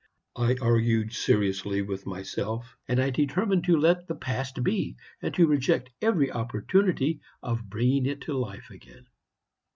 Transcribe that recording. I argued seriously with myself, and I determined to let the past be, and to reject every opportunity of bringing it to life again.